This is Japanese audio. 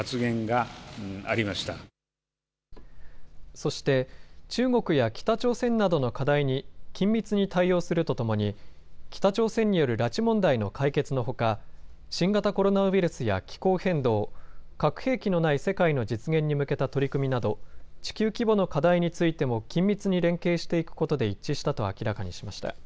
そして中国や北朝鮮などの課題に緊密に対応するとともに北朝鮮による拉致問題の解決のほか新型コロナウイルスや気候変動、核兵器のない世界の実現に向けた取り組みなど地球規模の課題についても緊密に連携していくことで一致したと明らかにしました。